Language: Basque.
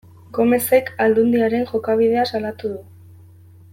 Gomezek Aldundiaren jokabidea salatu du.